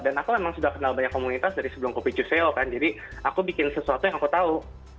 dan aku memang sudah kenal banyak komunitas dari sebelum kopi cucio kan jadi aku bikin sesuatu yang aku tahu